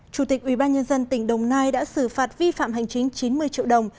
chủ tịch ubnd tỉnh đồng nai đã xử phạt vi phạm hành chính chín mươi triệu đồng